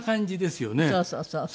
そうそうそうそう。